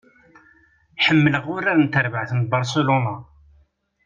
Ḥemmleɣ urar n terbaɛt n Barcelona.